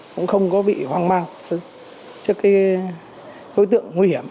cũng không có bị hoang mang trước cái đối tượng nguy hiểm